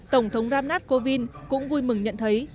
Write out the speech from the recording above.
tổng thống ramnat kovind cũng vui mừng nhận thấy